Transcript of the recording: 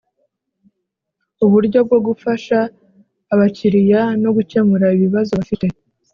Uburyo bwo gufasha abakiriya no gukemura ibibazo bafite